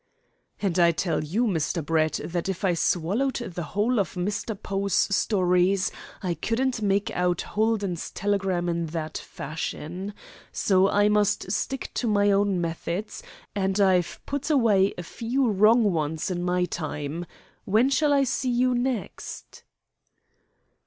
"And I tell you, Mr. Brett, that if I swallowed the whole of Mr. Poe's stories, I couldn't make out Holden's telegram in that fashion. So I must stick to my own methods, and I've put away a few wrong 'uns in my time. When shall I see you next?"